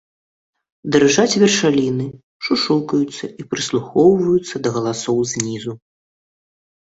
Дрыжаць вершаліны, шушукаюцца і прыслухоўваюцца да галасоў знізу.